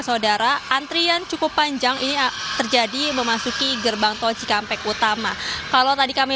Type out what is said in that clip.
saudara antrian cukup panjang ini terjadi memasuki gerbang tol cikampek utama kalau tadi kami